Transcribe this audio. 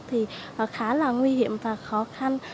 thì khá là nguy hiểm và khó khăn